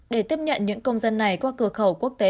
để tiếp nhận những công dân này qua cửa khẩu quốc tế